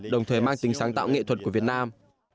đồng thời mang tính sáng tạo nghệ thuật của việt nam